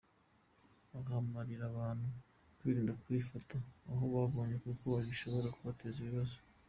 Ahamagarira abantu kwirinda kuyifata aho babonye kuko bishobora kubateza ibibazo.